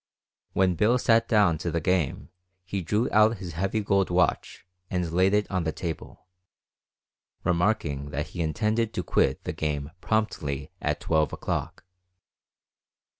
When Bill sat down to the game he drew out his heavy gold watch and laid it on the table, remarking that he intended to quit the game promptly at 12 o'clock.